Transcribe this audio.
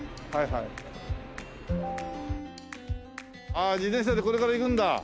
ああ自転車でこれから行くんだ？